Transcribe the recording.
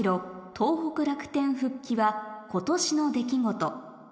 東北楽天復帰は今年の出来事